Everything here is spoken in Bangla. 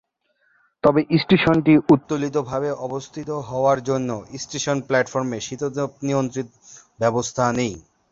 তবে, স্টেশনটি উত্তোলিত ভাবে অবস্থিত হওয়ার জন্য স্টেশন প্ল্যাটফর্মে শীতাতপ নিয়ন্ত্রণ ব্যবস্থা নেই।